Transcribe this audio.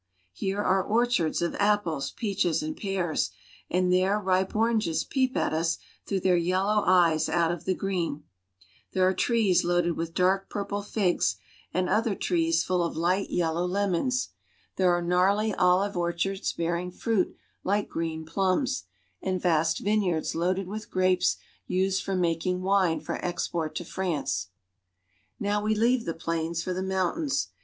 Here are orchards of apples, peaches, and pears, and there ripe oranges peep at us through their yellow eyes out of the green. There are trees loaded with dark purple figs CARP. AFRICA — 3 38 AFRICA and other trees full of light yellow lemons. There are gnarly olive orchards bearing fruit like green plums, and vast vineyards loaded with grapes used for making wine for export to France. I Now we leave the plains for the mountains.